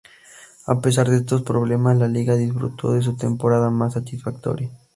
A pesar de estos problemas, la liga disfrutó de su temporada más satisfactoria.